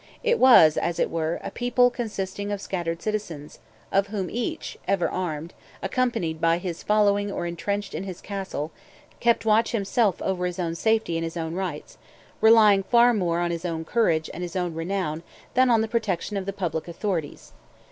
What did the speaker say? It was, as it were, a people consisting of scattered citizens, of whom each, ever armed, accompanied by his following or intrenched in his castle, kept watch himself over his own safety and his own rights, relying far more on his own courage and his own renown than on the protection of the public authorities.